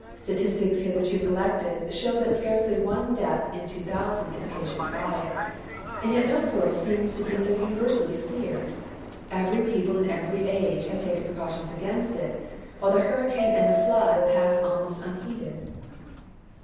Statistics hitherto collected show that scarcely one death in two thousand is occasioned by it. And yet no force seems to be so universally feared. Every people in every age have taken precautions against it, while the hurricane and the flood pass almost unheeded.